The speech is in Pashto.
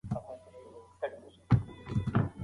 روغتیا پالان د وزن د کمولو لارې چارې سپارښتنه کوي.